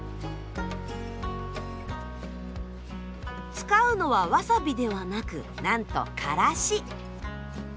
使うのはわさびではなくなんとからし。